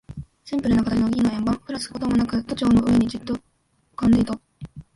シンプルな形の銀の円盤、ふらつくこともなく、都庁の上にじっと浮んでいた。